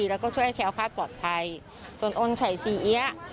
และช่วยให้แคลควาสปลอดภัยส่วนองค์ชายสีเยียะ